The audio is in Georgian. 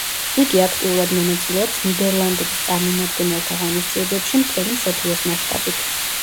იგი აქტიურად მონაწილეობს ნიდერლანდების წარმომადგენელთა ღონისძიებებში მთელი მსოფლიოს მასშტაბით.